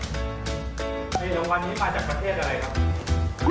มีรางวัลที่มาจากประเทศอะไรครับ